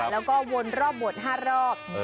แล้วก็วนรอบบท๕รอบ